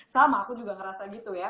sama aku juga ngerasa gitu ya